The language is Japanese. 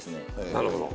なるほど。